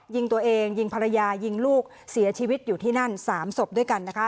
ยิงตัวเองยิงภรรยายิงลูกเสียชีวิตอยู่ที่นั่น๓ศพด้วยกันนะคะ